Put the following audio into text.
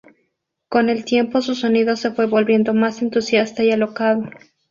Con el tiempo su sonido se fue volviendo más entusiasta y alocado.